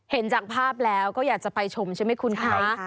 เห็นจากภาพแล้วก็อยากจะไปชมใช่ไหมคุณคะ